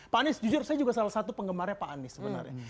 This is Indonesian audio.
pak anies jujur saya juga salah satu penggemarnya pak anies sebenarnya